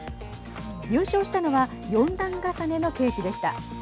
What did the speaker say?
優勝したのは４段重ねのケーキでした。